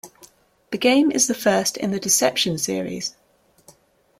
The game is the first in the "Deception" series.